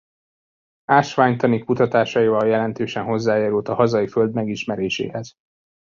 Ásványtani kutatásaival jelentősen hozzájárult a hazai föld megismeréséhez.